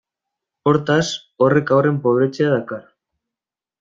Hortaz, horrek haurren pobretzea dakar.